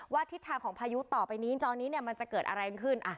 ทิศทางของพายุต่อไปนี้ตอนนี้มันจะเกิดอะไรขึ้น